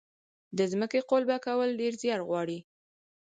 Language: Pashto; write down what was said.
د ځمکې قلبه کول ډیر زیار غواړي.